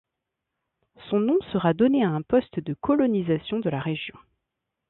Son nom sera donné à un poste de colonisation de la région.